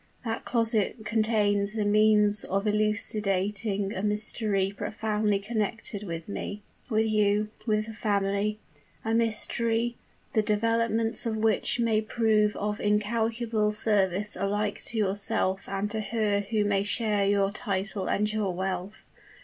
That closet contains the means of elucidating a mystery profoundly connected with me with you with the family a mystery, the developments of which may prove of incalculable service alike to yourself and to her who may share your title and your wealth.